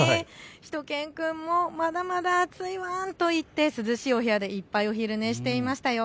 しゅと犬くんもまだまだ暑いワンといって涼しいお部屋でいっぱいお昼寝していましたよ。